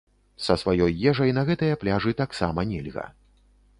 Са сваёй ежай на гэтыя пляжы таксама нельга.